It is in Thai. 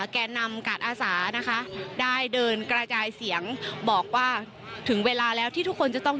แก่นำกาดอาสานะคะได้เดินกระจายเสียงบอกว่าถึงเวลาแล้วที่ทุกคนจะต้อง